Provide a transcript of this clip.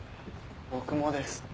僕もです。